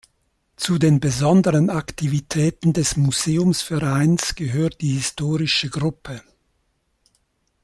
Zu den besonderen Aktivitäten des Museumsvereins gehört die Historische Gruppe.